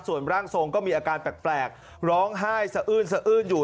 ส่วนร่างทรงก็มีอาการแปลกร้องไห้สะอื้นสะอื้นอยู่